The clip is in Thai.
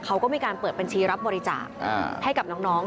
เขาก็มีการเปิดบัญชีรับบริจาคให้กับน้อง